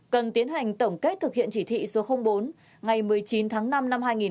cần tiến hành tổng kết thực hiện chỉ thị số bốn ngày một mươi chín tháng năm năm hai nghìn một mươi chín